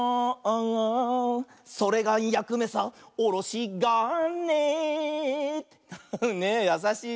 「それがやくめさおろしがね」ねえやさしい。